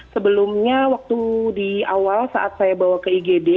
sebelumnya waktu di awal saat saya bawa ke igd